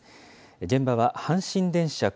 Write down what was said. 現場は阪神電車く